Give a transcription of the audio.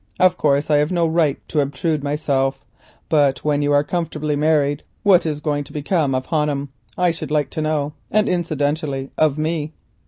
Of course I have no right to obtrude myself, but when you are comfortably married, what is going to become of Honham I should like to know, and incidentally of me?"